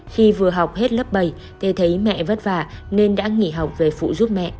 khi vừa học hết lớp bảy tôi thấy mẹ vất vả nên đã nghỉ học về phụ giúp mẹ